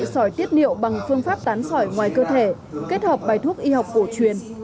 sỏi tiết niệu bằng phương pháp tán sỏi ngoài cơ thể kết hợp bài thuốc y học cổ truyền